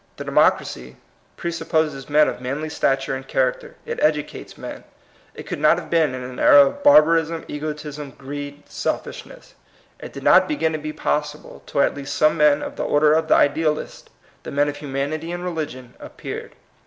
The democracy presupposes men of manly stat ure and character; it educates men. It could not have been in an era of barba rism, egotism, greed, selfishness. It did not begin to be possible till at least some men of the order of the idealists, the men of humanity and religion, appeared.